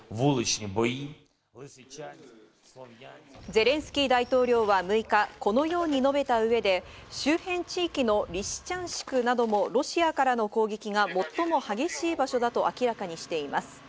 ゼレンスキー大統領は６日、このように述べた上で周辺地域のリシチャンシクなどもロシアからの攻撃が最も激しい場所だと明らかにしています。